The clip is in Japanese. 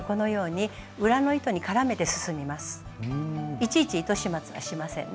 いちいち糸始末はしませんね。